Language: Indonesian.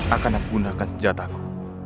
akan aku gunakan senjataku